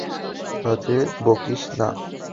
বাজে বকিস না!